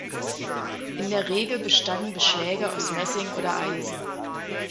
In der Regel bestanden Beschläge aus Messing oder Eisen.